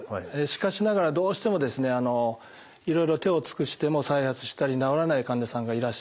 しかしながらどうしてもですねいろいろ手を尽くしても再発したり治らない患者さんがいらっしゃいます。